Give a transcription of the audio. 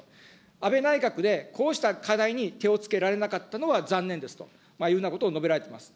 安倍内閣で、こうした課題に手をつけられなかったのは残念ですというふうなことを述べられてます。